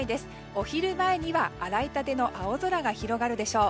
お昼前には洗いたての青空が広がるでしょう。